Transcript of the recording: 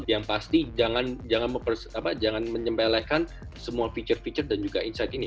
yang pasti jangan menyembelehkan semua fitur fitur dan juga insight ini